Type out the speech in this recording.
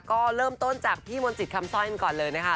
ก็เริ่มต้นจากพี่มนตรีคำซ่อยกันก่อนเลยนะคะ